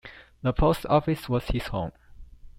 The post office was his home.